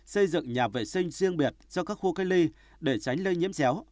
xây dựng nhà vệ sinh riêng biệt cho các khu cây ly để tránh lây nhiễm xéo